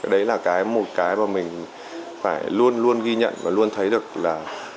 đấy là cái một cái mà mình phải luôn luôn ghi nhận và luôn thấy được là